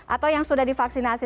atau yang sudah divaksinasi